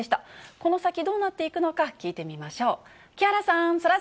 この先、どうなっていくのか聞いてみましょう。